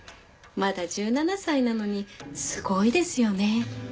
まだ１７歳なのにすごいですよね。